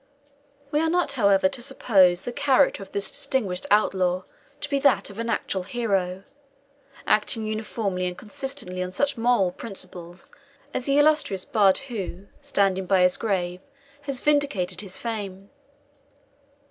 We are not, however, to suppose the character of this distinguished outlaw to be that of an actual hero, acting uniformly and consistently on such moral principles as the illustrious bard who, standing by his grave, has vindicated his fame.